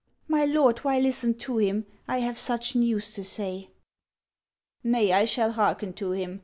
' My lord, why listen to him ?— I have such news to say.' ' Nay, I shall hearken to him.